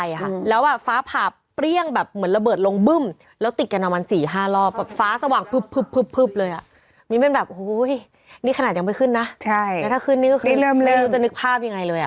ใช่นี่เริ่มเริ่มแล้วถ้าขึ้นนี่ก็คือไม่รู้จะนึกภาพยังไงเลยอ่ะ